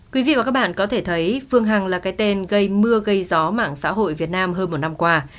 quý vị và các bạn có thể thấy phương hằng là cái tên gây mưa gây gió mạng xã hội việt nam hơn một năm qua